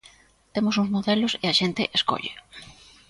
Temos uns modelos e a xente escolle.